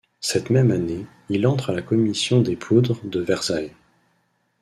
Cette même année, il entre à la commission des Poudres de Versailles.